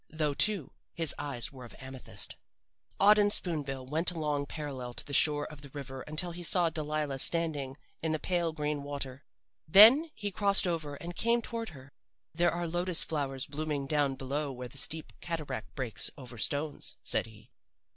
Though, too, his eyes were of amethyst. "Auden Spoon bill went along parallel to the shore of the river until he saw Delilah standing in the pale green water. Then he crossed over and came toward her. "'There are lotus flowers blooming down below where the steep cataract breaks over stones,' said he.